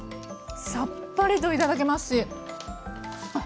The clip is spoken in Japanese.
さっぱりと頂けますしあっ